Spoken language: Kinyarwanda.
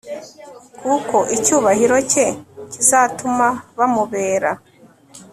kuko icyubahiro cye kizatuma bamubera